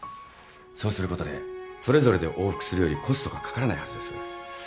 そうすることでそれぞれで往復するよりコストがかからないはずです。